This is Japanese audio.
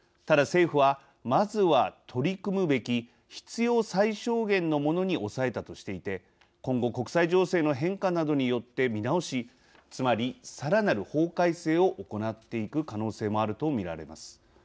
ただ政府はまずは取り組むべき必要最小限のものに抑えたとしていて今後、国際情勢の変化などによって見直しつまりさらなる法改正を行っていく可能性もあると見られます。